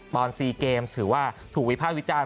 ตอนซีเกมส์ถือว่าถูกวิพาควิจารณ์